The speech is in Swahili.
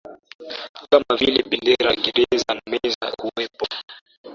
kama vile bendera gereza na meza Kuwepo